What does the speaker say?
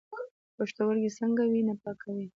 پښتورګي څنګه وینه پاکوي؟